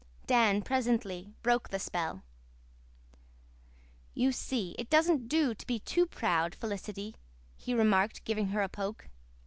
Dan presently broke the spell. "You see it doesn't do to be too proud, Felicity," he remarked, giving her a poke.